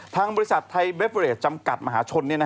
ทางบริษัทไทยเบเวรดจำกัดมหาชน